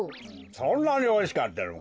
そんなにおいしかったのか？